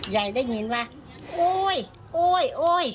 ยายได้ยินว่าโอ๊ยโอ๊ยโอ๊ย